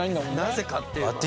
なぜかっていうまあ。